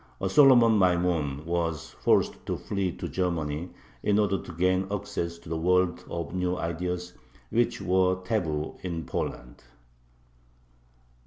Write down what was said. A Solomon Maimon was forced to flee to Germany in order to gain access to the world of new ideas, which were taboo in Poland.